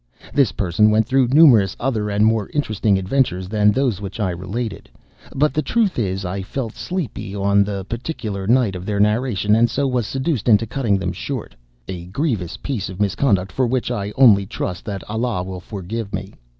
This person went through numerous other and more interesting adventures than those which I related; but the truth is, I felt sleepy on the particular night of their narration, and so was seduced into cutting them short—a grievous piece of misconduct, for which I only trust that Allah will forgive me.